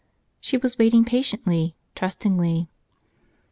She was waiting patiently, trustingly.